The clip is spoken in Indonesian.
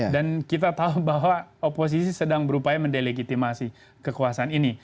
dan kita tahu bahwa oposisi sedang berupaya mendelegitimasi kekuasaan ini